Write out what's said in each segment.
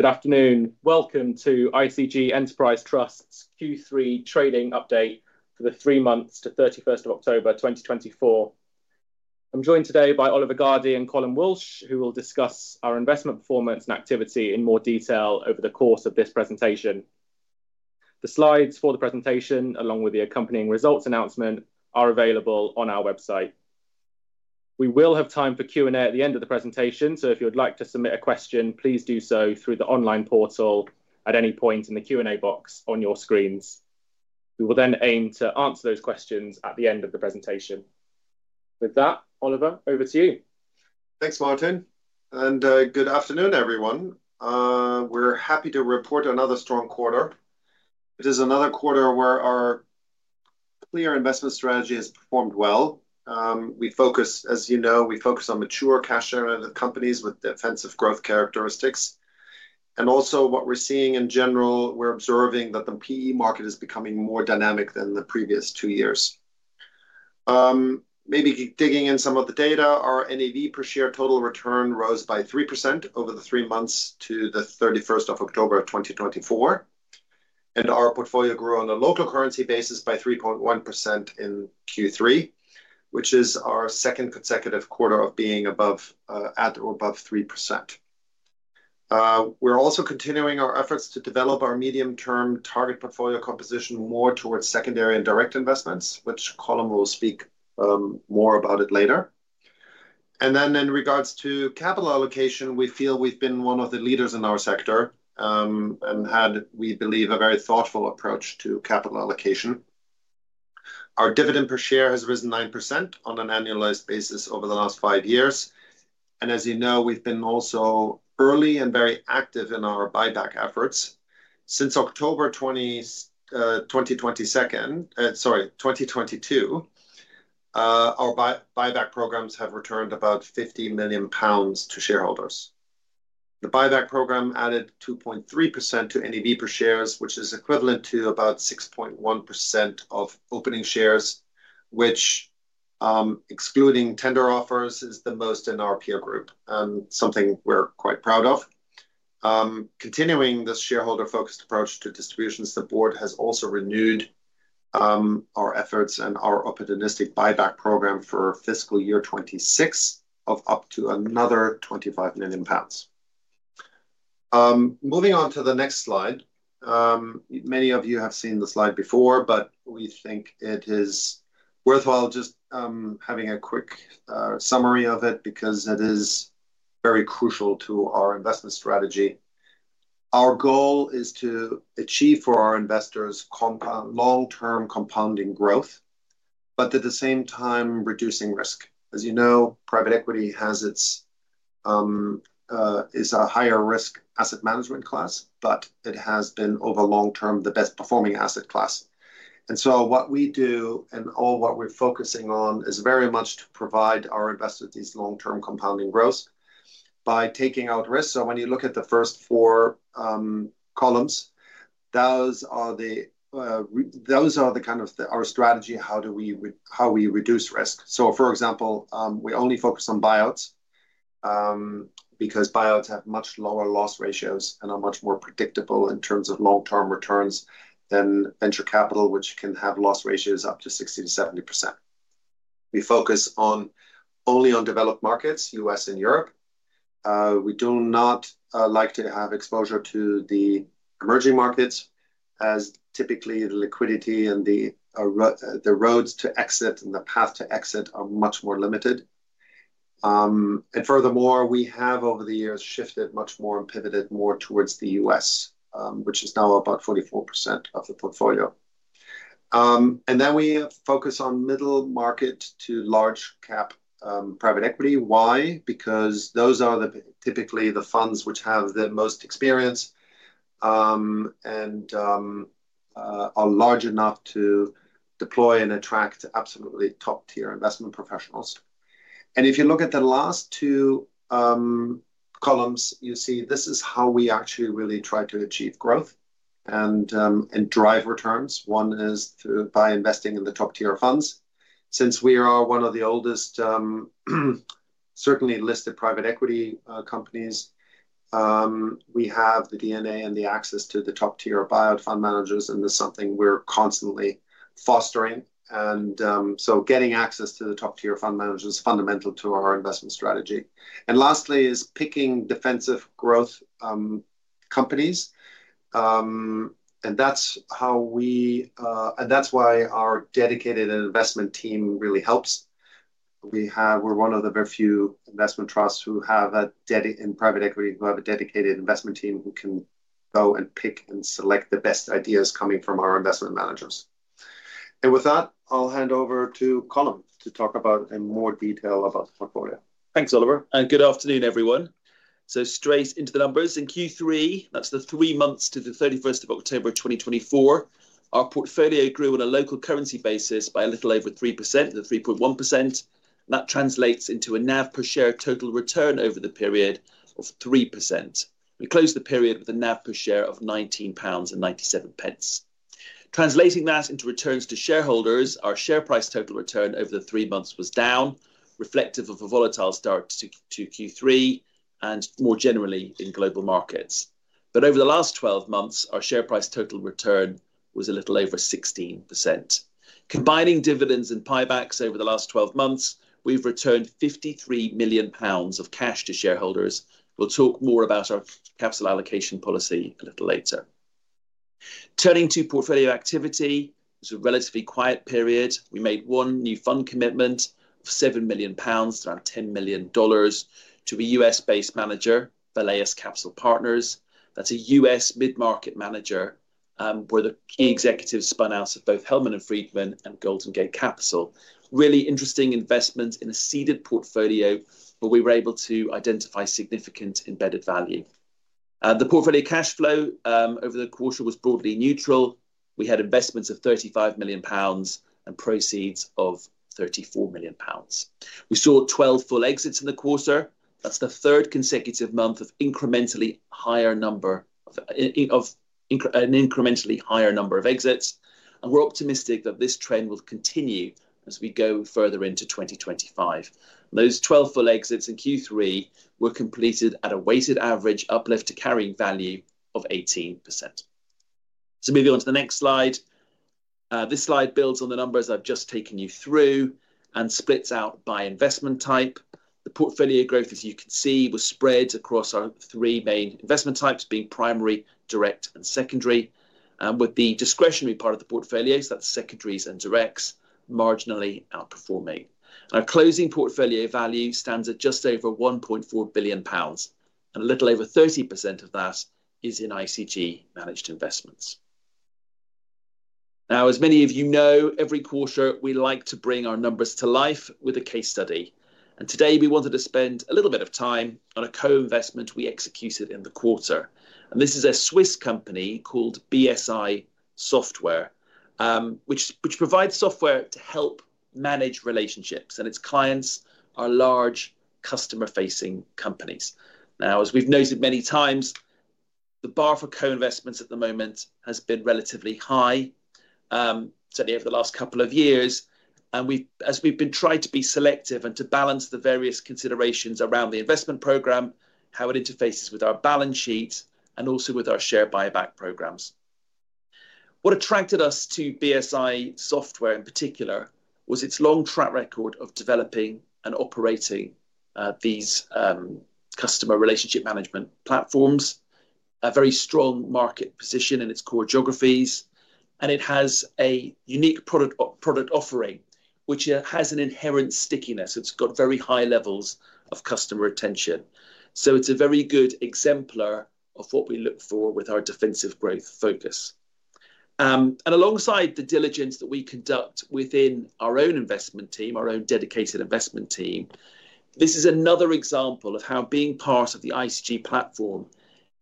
Good afternoon. Welcome to ICG Enterprise Trust's Q3 Trading Update for the three months to 31 October 2024. I'm joined today by Oliver Gardey and Colm Walsh, who will discuss our investment performance and activity in more detail over the course of this presentation. The slides for the presentation, along with the accompanying results announcement, are available on our website. We will have time for Q&A at the end of the presentation, so if you would like to submit a question, please do so through the online portal at any point in the Q&A box on your screens. We will then aim to answer those questions at the end of the presentation. With that, Oliver, over to you. Thanks, Martin, and good afternoon, everyone. We're happy to report another strong quarter. It is another quarter where our clear investment strategy has performed well. We focus, as you know, we focus on mature cash-generative companies with defensive growth characteristics, and also, what we're seeing in general, we're observing that the PE market is becoming more dynamic than the previous two years. Maybe digging in some of the data, our NAV per share total return rose by 3% over the three months to the 31 October 2024, and our portfolio grew on a local currency basis by 3.1% in Q3, which is our second consecutive quarter of being at or above 3%. We're also continuing our efforts to develop our medium-term target portfolio composition more towards secondary and direct investments, which Colm will speak more about later. Then, in regards to capital allocation, we feel we've been one of the leaders in our sector and had, we believe, a very thoughtful approach to capital allocation. Our dividend per share has risen 9% on an annualized basis over the last five years. And as you know, we've been also early and very active in our buyback efforts. Since October 2022, our buyback programs have returned about 50 million pounds to shareholders. The buyback program added 2.3% to NAV per shares, which is equivalent to about 6.1% of opening shares, which, excluding tender offers, is the most in our peer group and something we're quite proud of. Continuing this shareholder-focused approach to distributions, the board has also renewed our efforts and our opportunistic buyback program for fiscal year 2026 of up to another 25 million pounds. Moving on to the next slide, many of you have seen the slide before, but we think it is worthwhile just having a quick summary of it because it is very crucial to our investment strategy. Our goal is to achieve for our investors long-term compounding growth, but at the same time reducing risk. As you know, private equity is a higher risk asset class, but it has been over long term the best performing asset class. And so what we do and all what we're focusing on is very much to provide our investors these long-term compounding growth by taking out risk. So when you look at the first four columns, those are the kind of our strategy, how we reduce risk. So for example, we only focus on buyouts because buyouts have much lower loss ratios and are much more predictable in terms of long-term returns than venture capital, which can have loss ratios up to 60%-70%. We focus only on developed markets, U.S. and Europe. We do not like to have exposure to the emerging markets, as typically the liquidity and the roads to exit and the path to exit are much more limited. And furthermore, we have over the years shifted much more and pivoted more towards the U.S., which is now about 44% of the portfolio. And then we focus on middle market to large-cap private equity. Why? Because those are typically the funds which have the most experience and are large enough to deploy and attract absolutely top-tier investment professionals. And if you look at the last two columns, you see this is how we actually really try to achieve growth and drive returns. One is by investing in the top-tier funds. Since we are one of the oldest, certainly listed private equity companies, we have the DNA and the access to the top-tier buyout fund managers, and this is something we're constantly fostering. And so getting access to the top-tier fund managers is fundamental to our investment strategy. And lastly is picking defensive growth companies. And that's how we, and that's why our dedicated investment team really helps. We're one of the very few investment trusts who have a dedicated investment team who can go and pick and select the best ideas coming from our investment managers. And with that, I'll hand over to Colm to talk about in more detail the portfolio. Thanks, Oliver. And good afternoon, everyone. So straight into the numbers in Q3, that's the three months to the 31 October 2024, our portfolio grew on a local currency basis by a little over 3%, the 3.1%. That translates into a NAV per Share total return over the period of 3%. We closed the period with a NAV per Share of GBP 19.97. Translating that into returns to shareholders, our share price total return over the three months was down, reflective of a volatile start to Q3 and more generally in global markets. But over the last 12 months, our share price total return was a little over 16%. Combining dividends and buybacks over the last 12 months, we've returned 53 million pounds of cash to shareholders. We'll talk more about our capital allocation policy a little later. Turning to portfolio activity, it was a relatively quiet period. We made one new fund commitment of £7 million, around $10 million to a US-based manager, Valeas Capital Partners. That's a US mid-market manager where the key executives spun out of both Hellman & Friedman and Golden Gate Capital. Really interesting investment in a seeded portfolio, but we were able to identify significant embedded value. The portfolio cash flow over the quarter was broadly neutral. We had investments of £35 million and proceeds of £34 million. We saw 12 full exits in the quarter. That's the third consecutive month of an incrementally higher number of exits. And we're optimistic that this trend will continue as we go further into 2025. Those 12 full exits in Q3 were completed at a weighted average uplift to carrying value of 18%. So moving on to the next slide. This slide builds on the numbers I've just taken you through and splits out by investment type. The portfolio growth, as you can see, was spread across our three main investment types, being primary, direct, and secondary, with the discretionary part of the portfolios, that's secondaries and directs, marginally outperforming. Our closing portfolio value stands at just over £1.4 billion, and a little over 30% of that is in ICG managed investments. Now, as many of you know, every quarter we like to bring our numbers to life with a case study, and today we wanted to spend a little bit of time on a co-investment we executed in the quarter, and this is a Swiss company called BSI Software, which provides software to help manage relationships, and its clients are large customer-facing companies. Now, as we've noted many times, the bar for co-investments at the moment has been relatively high, certainly over the last couple of years, and as we've been trying to be selective and to balance the various considerations around the investment program, how it interfaces with our balance sheets, and also with our share buyback programs. What attracted us to BSI Software in particular was its long track record of developing and operating these customer relationship management platforms, a very strong market position in its core geographies, and it has a unique product offering, which has an inherent stickiness. It's got very high levels of customer retention, so it's a very good exemplar of what we look for with our defensive growth focus. Alongside the diligence that we conduct within our own investment team, our own dedicated investment team, this is another example of how being part of the ICG platform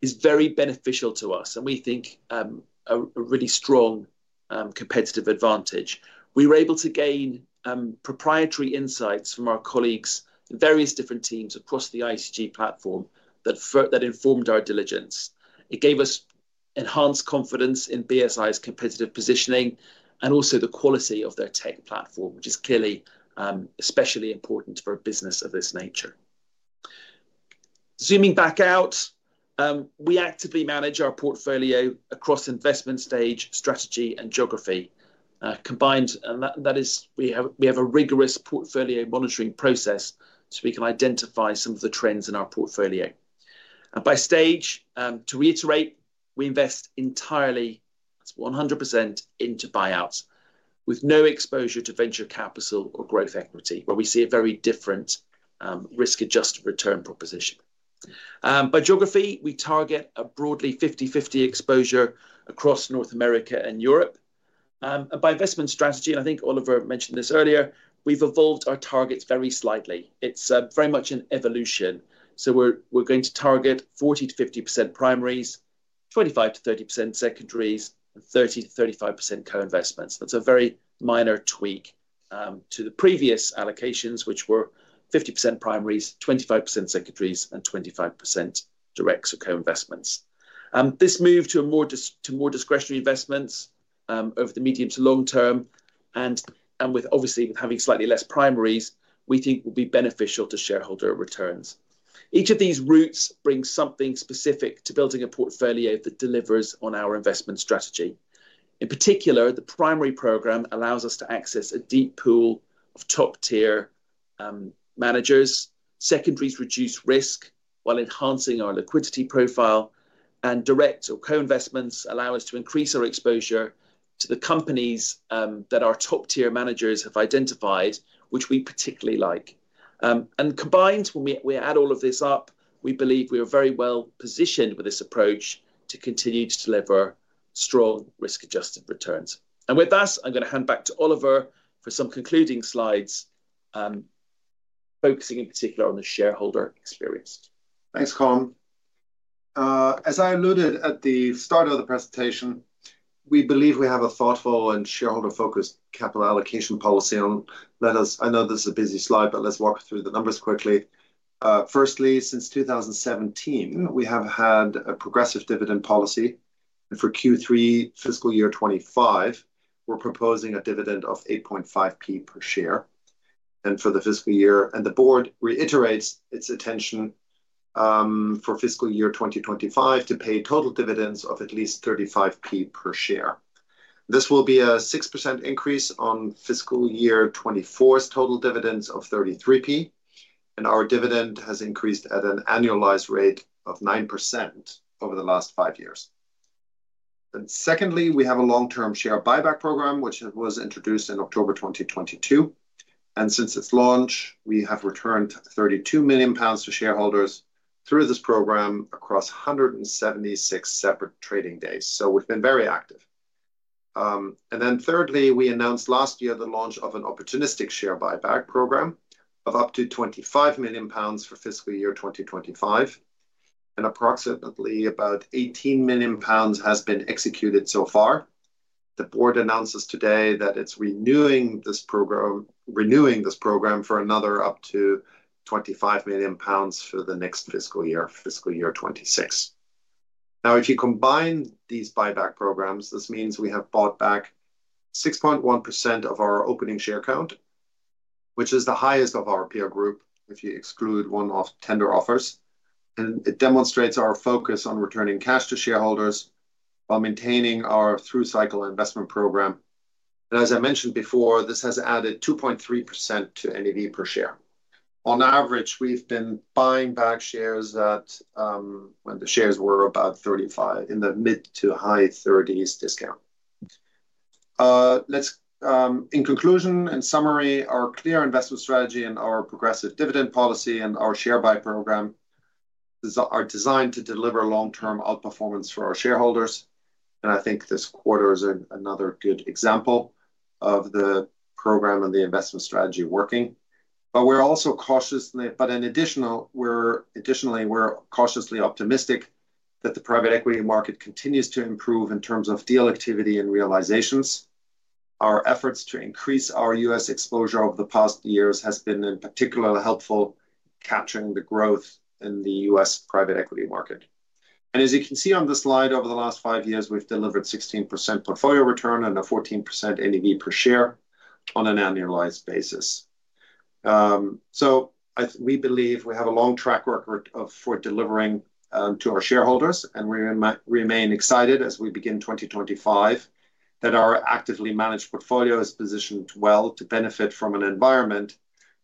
is very beneficial to us, and we think a really strong competitive advantage. We were able to gain proprietary insights from our colleagues in various different teams across the ICG platform that informed our diligence. It gave us enhanced confidence in BSI's competitive positioning and also the quality of their tech platform, which is clearly especially important for a business of this nature. Zooming back out, we actively manage our portfolio across investment stage, strategy, and geography. Combined, we have a rigorous portfolio monitoring process so we can identify some of the trends in our portfolio. By stage, to reiterate, we invest entirely, that's 100% into buyouts with no exposure to venture capital or growth equity, where we see a very different risk-adjusted return proposition. By geography, we target a broadly 50/50 exposure across North America and Europe. By investment strategy, and I think Oliver mentioned this earlier, we've evolved our targets very slightly. It's very much an evolution. We're going to target 40%-50% primaries, 25%-30% secondaries, and 30%-35% co-investments. That's a very minor tweak to the previous allocations, which were 50% primaries, 25% secondaries, and 25% directs or co-investments. This move to more discretionary investments over the medium to long term, and obviously having slightly less primaries, we think will be beneficial to shareholder returns. Each of these routes brings something specific to building a portfolio that delivers on our investment strategy. In particular, the primary program allows us to access a deep pool of top-tier managers. Secondaries reduce risk while enhancing our liquidity profile, and direct or co-investments allow us to increase our exposure to the companies that our top-tier managers have identified, which we particularly like, and combined, when we add all of this up, we believe we are very well positioned with this approach to continue to deliver strong risk-adjusted returns, and with that, I'm going to hand back to Oliver for some concluding slides, focusing in particular on the shareholder experience. Thanks, Colm. As I alluded at the start of the presentation, we believe we have a thoughtful and shareholder-focused capital allocation policy, and let us. I know this is a busy slide, but let's walk through the numbers quickly. Firstly, since 2017, we have had a progressive dividend policy, and for Q3, fiscal year 2025, we're proposing a dividend of 8.5p per share for the fiscal year, and the board reiterates its intention for fiscal year 2025 to pay total dividends of at least 35p per share. This will be a 6% increase on fiscal year 2024's total dividends of 33p, and our dividend has increased at an annualized rate of 9% over the last five years, and secondly, we have a long-term share buyback program, which was introduced in October 2022. And since its launch, we have returned £32 million to shareholders through this program across 176 separate trading days. So we've been very active. And then thirdly, we announced last year the launch of an opportunistic share buyback program of up to £25 million for fiscal year 2025. And approximately about £18 million has been executed so far. The board announces today that it's renewing this program for another up to £25 million for the next fiscal year, fiscal year 2026. Now, if you combine these buyback programs, this means we have bought back 6.1% of our opening share count, which is the highest of our peer group if you exclude one-off tender offers. And it demonstrates our focus on returning cash to shareholders while maintaining our through cycle investment program. And as I mentioned before, this has added 2.3% to NAV per share. On average, we've been buying back shares when the shares were about 35% in the mid- to high-30s discount. In conclusion and summary, our clear investment strategy and our progressive dividend policy and our share buy program are designed to deliver long-term outperformance for our shareholders. I think this quarter is another good example of the program and the investment strategy working. We're also cautiously optimistic that the private equity market continues to improve in terms of deal activity and realizations. Our efforts to increase our U.S. exposure over the past years have been in particular helpful in capturing the growth in the U.S. private equity market. As you can see on the slide, over the last five years, we've delivered 16% portfolio return and a 14% NAV per share on an annualized basis. So we believe we have a long track record for delivering to our shareholders. And we remain excited as we begin 2025 that our actively managed portfolio is positioned well to benefit from an environment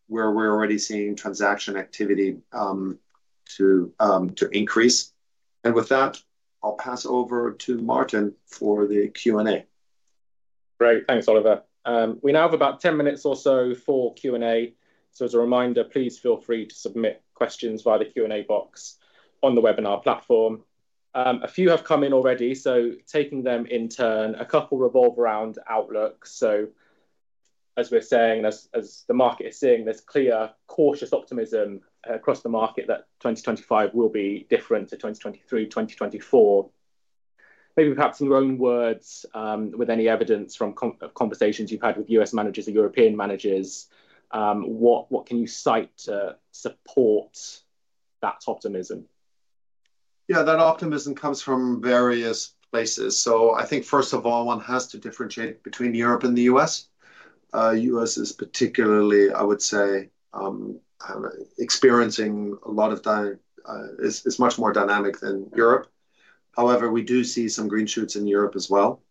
where we're already seeing transaction activity to increase. And with that, I'll pass over to Martin for the Q&A. Great. Thanks, Oliver. We now have about 10 minutes or so for Q&A. So as a reminder, please feel free to submit questions via the Q&A box on the webinar platform. A few have come in already, so taking them in turn, a couple revolve around outlook. So as we're saying, as the market is seeing this clear, cautious optimism across the market that 2025 will be different to 2023, 2024, maybe perhaps in your own words, with any evidence from conversations you've had with U.S. managers and European managers, what can you cite to support that optimism? Yeah, that optimism comes from various places, so I think, first of all, one has to differentiate between Europe and the US. The US is particularly, I would say, much more dynamic than Europe. However, we do see some green shoots in Europe as well.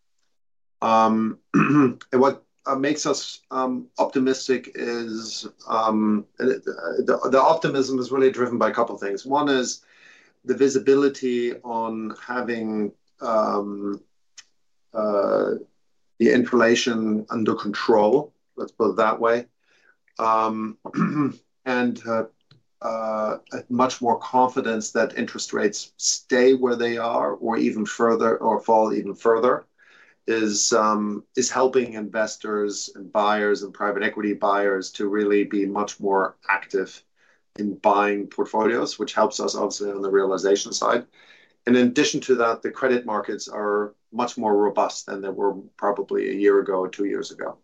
What makes us optimistic is the optimism really driven by a couple of things. One is the visibility on having the inflation under control, let's put it that way, and much more confidence that interest rates stay where they are or even fall further is helping investors and buyers and private equity buyers to really be much more active in buying portfolios, which helps us, obviously, on the realization side. In addition to that, the credit markets are much more robust than they were probably a year ago or two years ago.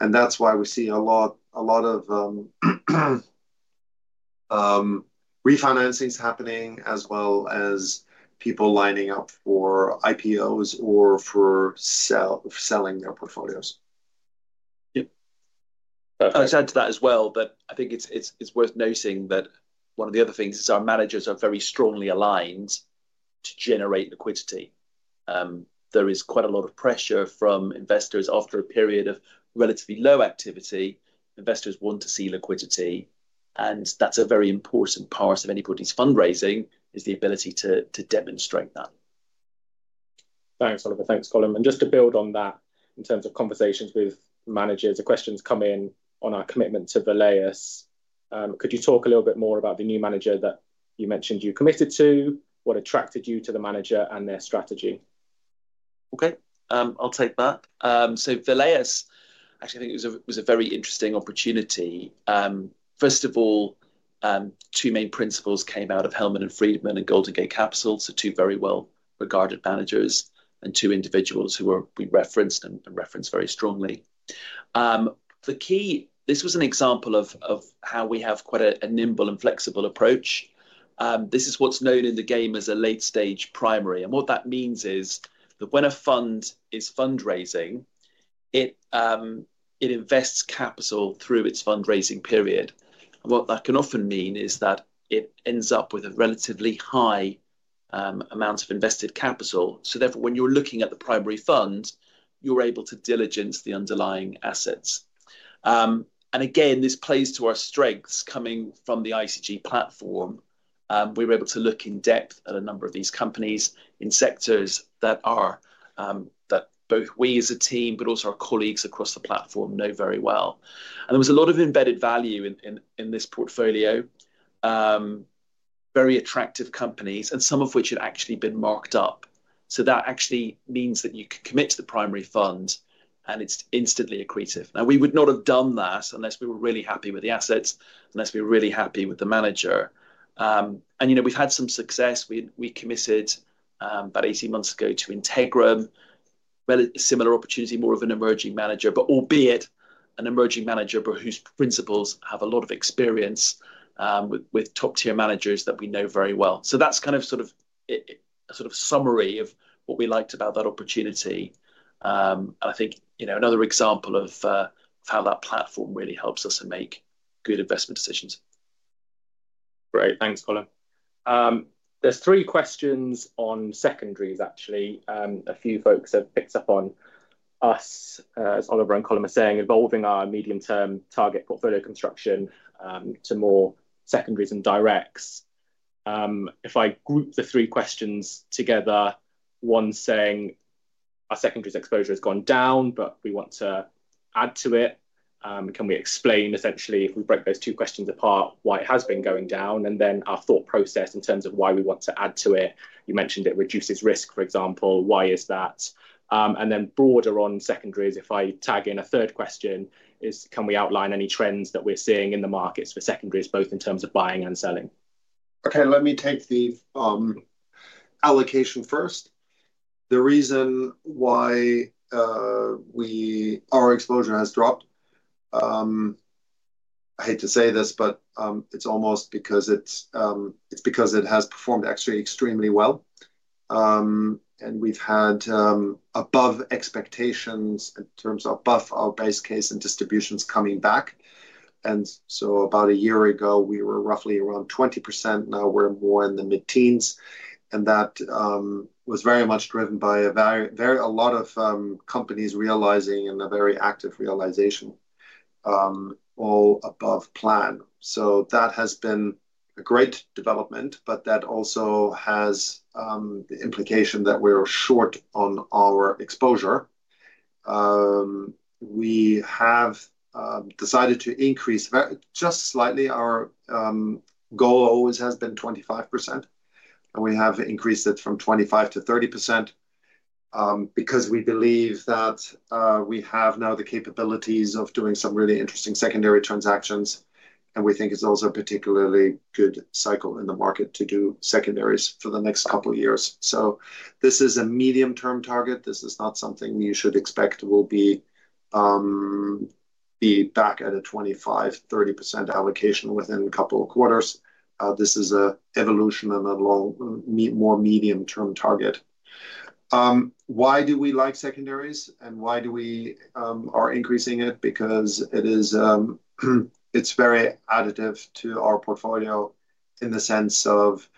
That's why we see a lot of refinancings happening, as well as people lining up for IPOs or for selling their portfolios. Yeah. I'll add to that as well, but I think it's worth noting that one of the other things is our managers are very strongly aligned to generate liquidity. There is quite a lot of pressure from investors after a period of relatively low activity. Investors want to see liquidity. And that's a very important part of anybody's fundraising is the ability to demonstrate that. Thanks, Oliver. Thanks, Colm. And just to build on that, in terms of conversations with managers, the questions come in on our commitment to Valaeus. Could you talk a little bit more about the new manager that you mentioned you committed to? What attracted you to the manager and their strategy? Okay. I'll take that. So Valaeus, actually, I think it was a very interesting opportunity. First of all, two main principals came out of Hellman & Friedman and Golden Gate Capital, so two very well-regarded managers and two individuals who we referenced and reference very strongly. This was an example of how we have quite a nimble and flexible approach. This is what's known in the game as a late-stage primary. And what that means is that when a fund is fundraising, it invests capital through its fundraising period. And what that can often mean is that it ends up with a relatively high amount of invested capital. So therefore, when you're looking at the primary fund, you're able to diligence the underlying assets. And again, this plays to our strengths coming from the ICG platform. We were able to look in depth at a number of these companies in sectors that both we as a team, but also our colleagues across the platform know very well. And there was a lot of embedded value in this portfolio, very attractive companies, and some of which had actually been marked up. So that actually means that you can commit to the primary fund, and it's instantly accretive. Now, we would not have done that unless we were really happy with the assets, unless we were really happy with the manager. And we've had some success. We committed about 18 months ago to Integrum, a similar opportunity, more of an emerging manager, but albeit an emerging manager whose principals have a lot of experience with top-tier managers that we know very well. So that's kind of sort of a summary of what we liked about that opportunity. I think another example of how that platform really helps us to make good investment decisions. Great. Thanks, Colm. There's three questions on secondaries, actually. A few folks have picked up on us, as Oliver and Colm are saying, involving our medium-term target portfolio construction to more secondaries and directs. If I group the three questions together, one's saying, our secondary exposure has gone down, but we want to add to it. Can we explain, essentially, if we break those two questions apart, why it has been going down? And then our thought process in terms of why we want to add to it. You mentioned it reduces risk, for example. Why is that? And then broader on secondaries, if I tag in a third question, is, can we outline any trends that we're seeing in the markets for secondaries, both in terms of buying and selling? Okay. Let me take the allocation first. The reason why our exposure has dropped, I hate to say this, but it's almost because it has performed actually extremely well. And we've had above expectations in terms of both our base case and distributions coming back. And so about a year ago, we were roughly around 20%. Now we're more in the mid-teens. And that was very much driven by a lot of companies realizing and a very active realization, all above plan. So that has been a great development, but that also has the implication that we're short on our exposure. We have decided to increase just slightly. Our goal always has been 25%, and we have increased it from 25%-30% because we believe that we have now the capabilities of doing some really interesting secondary transactions. We think it's also a particularly good cycle in the market to do secondaries for the next couple of years. This is a medium-term target. This is not something you should expect will be back at a 25%-30% allocation within a couple of quarters. This is an evolution and a more medium-term target. Why do we like secondaries and why do we are increasing it? Because it's very additive to our portfolio in the sense of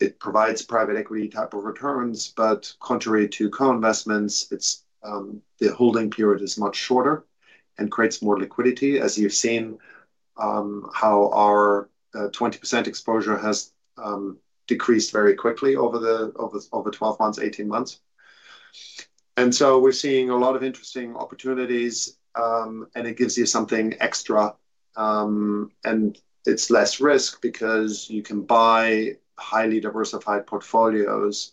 it provides private equity type of returns. But contrary to co-investments, the holding period is much shorter and creates more liquidity, as you've seen how our 20% exposure has decreased very quickly over 12-18 months. We're seeing a lot of interesting opportunities, and it gives you something extra. It's less risk because you can buy highly diversified portfolios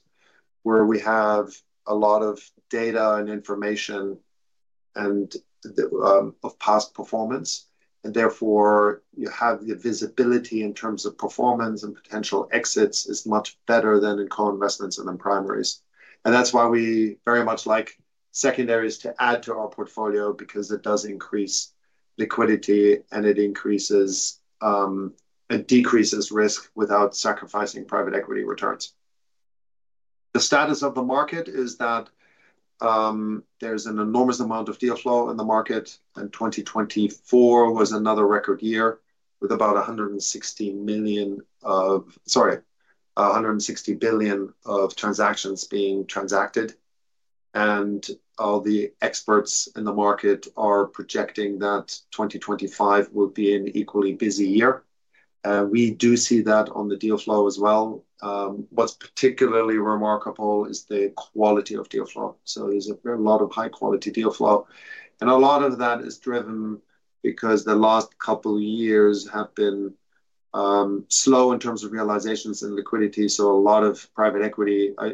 where we have a lot of data and information of past performance. And therefore, you have the visibility in terms of performance and potential exits is much better than in co-investments and in primaries. And that's why we very much like secondaries to add to our portfolio because it does increase liquidity, and it decreases risk without sacrificing private equity returns. The status of the market is that there's an enormous amount of deal flow in the market. And 2024 was another record year with about $160 million of, sorry, $160 billion of transactions being transacted. And all the experts in the market are projecting that 2025 will be an equally busy year. We do see that on the deal flow as well. What's particularly remarkable is the quality of deal flow. So there's a lot of high-quality deal flow. And a lot of that is driven because the last couple of years have been slow in terms of realizations and liquidity. So a lot of private equity, a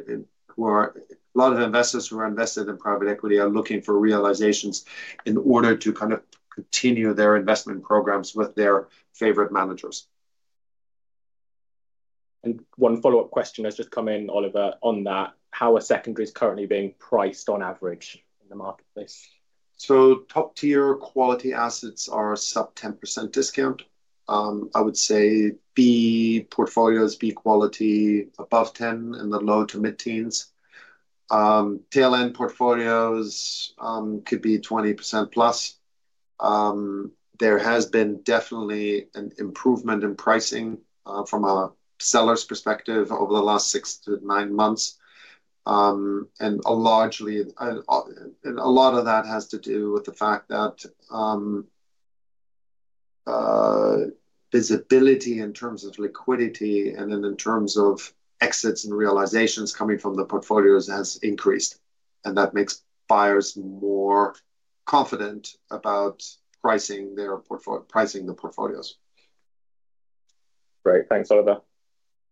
lot of investors who are invested in private equity are looking for realizations in order to kind of continue their investment programs with their favorite managers. One follow-up question has just come in, Oliver, on that. How are secondaries currently being priced on average in the marketplace? So top-tier quality assets are sub 10% discount. I would say B portfolios, B quality, above 10% in the low to mid-teens. Tail-end portfolios could be 20% plus. There has been definitely an improvement in pricing from a seller's perspective over the last six to nine months. And a lot of that has to do with the fact that visibility in terms of liquidity and then in terms of exits and realizations coming from the portfolios has increased. And that makes buyers more confident about pricing the portfolios. Great. Thanks, Oliver.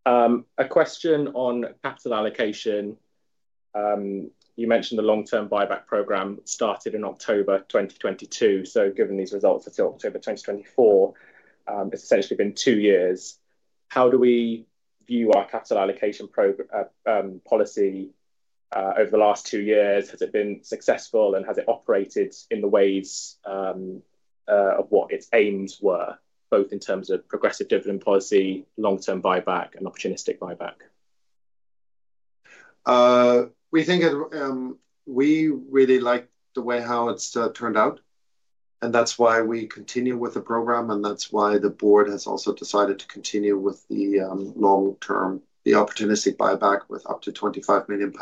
A question on capital allocation. You mentioned the long-term buyback program started in October 2022. So given these results until October 2024, it's essentially been two years. How do we view our capital allocation policy over the last two years? Has it been successful, and has it operated in the ways of what its aims were, both in terms of progressive dividend policy, long-term buyback, and opportunistic buyback? We really like the way how it's turned out. And that's why we continue with the program. And that's why the board has also decided to continue with the long-term, the opportunistic buyback with up to £25 million.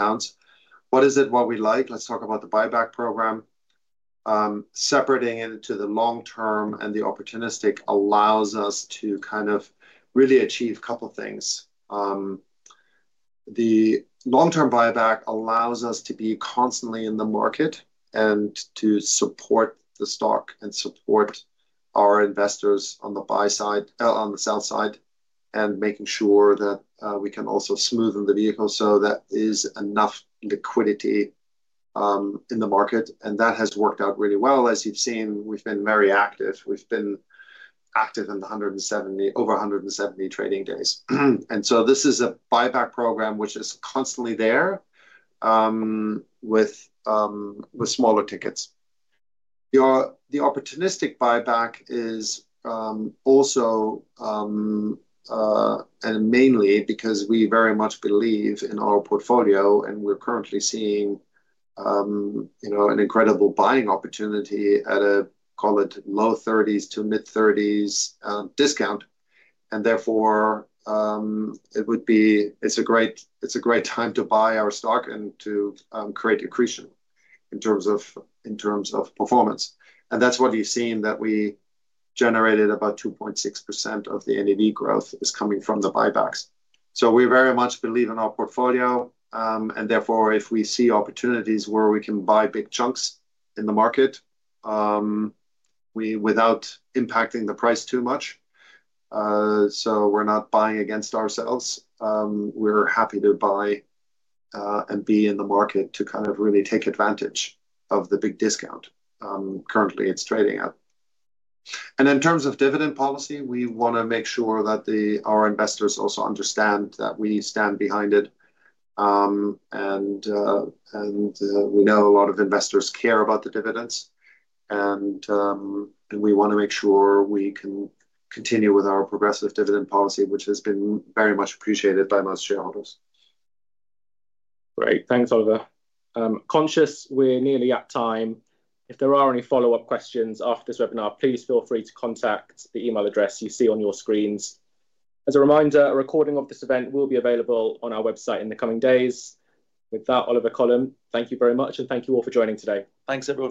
What is it? What we like? Let's talk about the buyback program. Separating into the long-term and the opportunistic allows us to kind of really achieve a couple of things. The long-term buyback allows us to be constantly in the market and to support the stock and support our investors on the buy side, on the sell side, and making sure that we can also smoothen the vehicle so that there is enough liquidity in the market. And that has worked out really well. As you've seen, we've been very active. We've been active in over 170 trading days. And so this is a buyback program which is constantly there with smaller tickets. The opportunistic buyback is also mainly because we very much believe in our portfolio, and we're currently seeing an incredible buying opportunity at a, call it, low-30s to mid-30s% discount. And therefore, it's a great time to buy our stock and to create accretion in terms of performance. And that's what you've seen, that we generated about 2.6% of the NAV growth is coming from the buybacks. So we very much believe in our portfolio. And therefore, if we see opportunities where we can buy big chunks in the market without impacting the price too much, so we're not buying against ourselves, we're happy to buy and be in the market to kind of really take advantage of the big discount it's currently trading at. In terms of dividend policy, we want to make sure that our investors also understand that we stand behind it. We know a lot of investors care about the dividends. We want to make sure we can continue with our progressive dividend policy, which has been very much appreciated by most shareholders. Great. Thanks, Oliver. Conscious we're nearly at time. If there are any follow-up questions after this webinar, please feel free to contact the email address you see on your screens. As a reminder, a recording of this event will be available on our website in the coming days. With that, Oliver, Colm, thank you very much, and thank you all for joining today. Thanks, Oliver.